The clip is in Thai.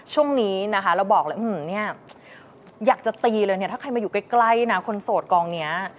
ช่วงนี้เราบอกเลยอยากจะตีเลยถ้าใครมาอยู่ใกล้คนโสดกองนี้